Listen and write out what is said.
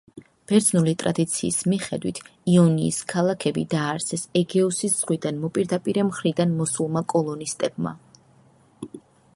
ბერძნული ტრადიციის მიხედვით, იონიის ქალაქები დაარსეს ეგეოსის ზღვის მოპირდაპირე მხრიდან მოსულმა კოლონისტებმა.